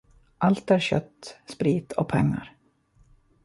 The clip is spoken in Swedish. Allt är kött, sprit och pengar.